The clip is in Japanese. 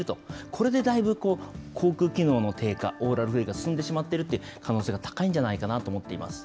これでだいぶ、口くう機能の低下、オーラルフレイルが進んでしまっているという可能性が高いんじゃないかなと思っています。